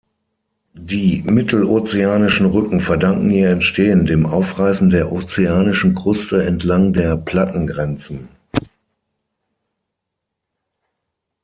Die Mittelozeanischen Rücken verdanken ihr Entstehen dem Aufreißen der ozeanischen Kruste entlang der Plattengrenzen.